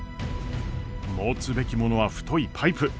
持つべきものは太いパイプ！